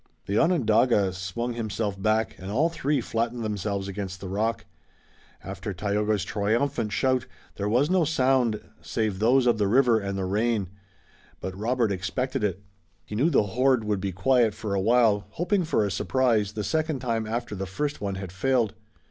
The Onondaga swung himself back and all three flattened themselves against the rock. After Tayoga's triumphant shout there was no sound save those of the river and the rain. But Robert expected it. He knew the horde would be quiet for a while, hoping for a surprise the second time after the first one had failed.